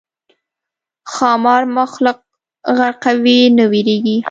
ښامار مخلوق غرقوي نو وېرېږي.